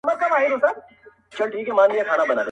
تا منلی راته جام وي د سرو لبو-